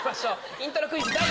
イントロクイズ。